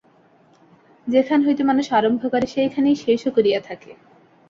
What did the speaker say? যেখান হইতে মানুষ আরম্ভ করে, সেইখানেই শেষও করিয়া থাকে।